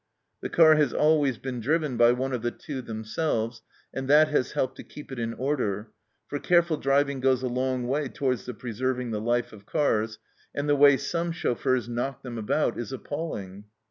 The car has always been driven by one of the Two themselves, and that has helped to keep it in order, for careful driving goes a long way towards the preserving the life of cars, and the way some chauffeurs knock them about is appalling.